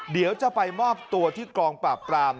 เดี๋ยวจะไปมอบตัวที่กองปราบปราม